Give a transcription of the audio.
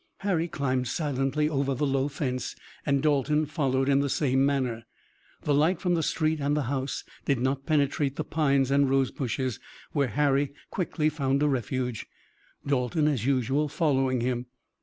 Harry climbed silently over the low fence, and Dalton followed in the same manner. The light from the street and house did not penetrate the pines and rosebushes, where Harry quickly found a refuge, Dalton as usual following him.